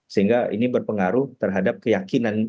sehingga ini berpengaruh terhadap keyakinan